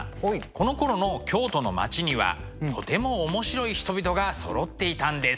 このころの京都の町にはとても面白い人々がそろっていたんです。